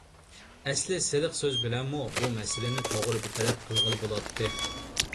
ئەسلى سىلىق سۆز بىلەنمۇ بۇ مەسىلىنى توغرا بىر تەرەپ قىلغىلى بولاتتى.